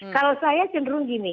kalau saya cenderung gini